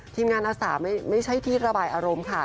ทีมงานอาสาไม่ใช่ที่ระบายอารมณ์ค่ะ